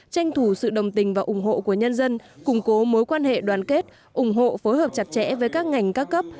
tranh thủ sự đồng tình và ủng hộ của nhân dân củng cố mối quan hệ đoàn kết ủng hộ phối hợp chặt chẽ với các ngành các cấp